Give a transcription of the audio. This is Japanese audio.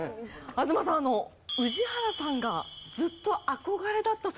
東さん宇治原さんがずっと憧れだったそうです。